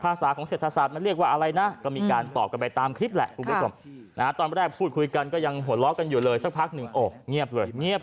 ภาษาของเศรษฐศาสตร์มันเรียกว่าอะไรนะก็มีการต่อกันไปตามคลิปแหละตอนแรกพูดคุยกันก็ยังโหลล้อกันอย่างเดินสักพักต่อ